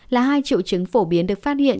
là hai triệu chứng phổ biến được phát hiện